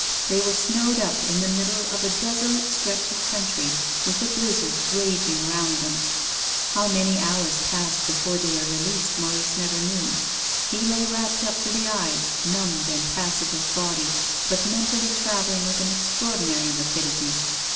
They were snowed up in the middle of a desolate stretch of country, with a blizzard raging round them. THE LIVING CHILD. 259 How many hours passed before they were re leased Maurice never knew. He lay wrapped up to the eyes, numbed and passive of body, but mentally travelling with an extraordinary rapidity.